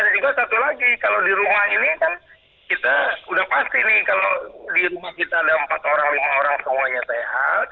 dan juga satu lagi kalau di rumah ini kan kita sudah pasti nih kalau di rumah kita ada empat orang lima orang semuanya sehat